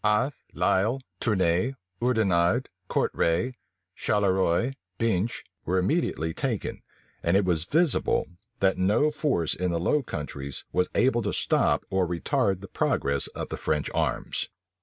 Athe, Lisle, Tournay, Oudenarde, Courtray, Charleroi, Binche, were immediately taken: and it was visible, that no force in the Low Countries was able to stop or retard the progress of the French arms.